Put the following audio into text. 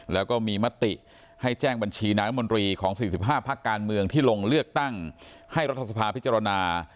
แล้วก็มีมติให้แจ้งบัญชีนางมนตรีของ๔๕พักการเมืองที่ลงเลือกตั้งให้รัฐสภาพิจารณา